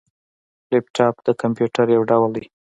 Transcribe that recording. لیپټاپ د کمپيوټر یو ډول دی